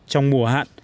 trong mùa hạn